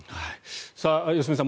良純さん